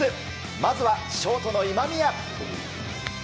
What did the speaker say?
まずはショートの今宮。